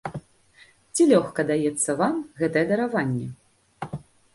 Ці лёгка даецца вам гэтае дараванне?